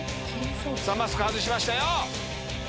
マスク外しましたよ！